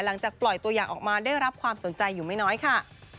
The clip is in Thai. หลังจากปล่อยตัวอย่างออกมาได้รับความสนใจอยู่ไม่น้อยค่ะ